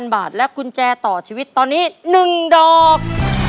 ๐บาทและกุญแจต่อชีวิตตอนนี้๑ดอก